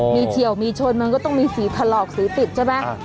มีเฉียวมีชนมันก็ต้องมีสีถลอกสีติดใช่ไหม